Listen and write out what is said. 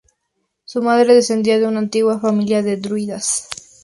Su madre descendía de una antigua familia de druidas.